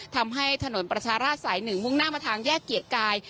ทำให้ถนนประชาราชสาย๑มุ่งหน้ามาทางแยกเกียรติกาย